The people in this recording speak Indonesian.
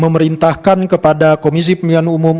memerintahkan kepada komisi pemilihan umum